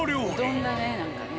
うどんだね何かね。